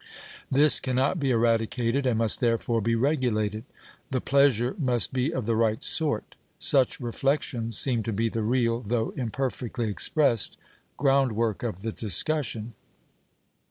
This cannot be eradicated, and must therefore be regulated, the pleasure must be of the right sort. Such reflections seem to be the real, though imperfectly expressed, groundwork of the discussion.